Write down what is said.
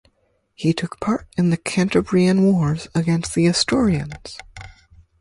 He took part in the Cantabrian Wars against the Asturians.